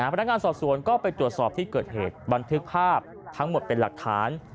พนักงานสอบสวนก็ไปตรวจสอบที่เกิดเหตุบันทึกภาพทั้งหมดเป็นหลักฐาน